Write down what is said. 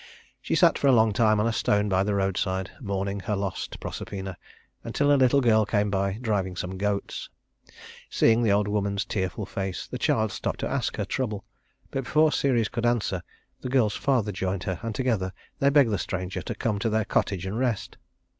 She sat for a long time on a stone by the roadside, mourning her lost Proserpina, until a little girl came by, driving some goats. Seeing the old woman's tearful face, the child stopped to ask her her trouble, but before Ceres could answer, the girl's father joined her and together they begged the stranger to come to their cottage and rest.